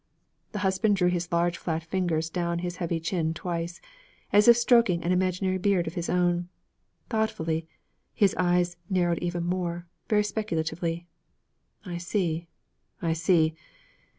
Her husband drew his large flat fingers down his heavy chin twice, as if stroking an imaginary beard of his own, thoughtfully; his eyes narrowed even more, very speculatively. 'I see, I see!